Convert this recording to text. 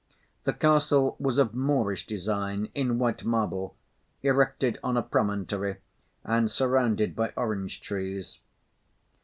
The castle was of Moorish design, in white marble, erected on a promontory and surrounded by orange trees.